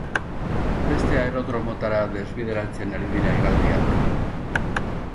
Beste aerodromotara desbideratzen ari dira hegaldiak.